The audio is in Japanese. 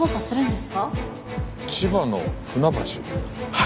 はい。